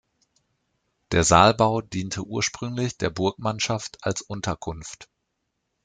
Der Saalbau diente ursprünglich der Burgmannschaft als Unterkunft.